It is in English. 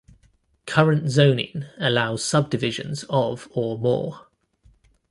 Current zoning allows subdivisions of or more.